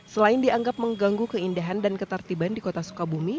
selain dianggap mengganggu keindahan dan ketertiban di kota sukabumi